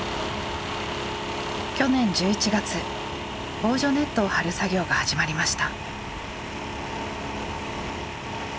防除ネットを張る作業が始まりました。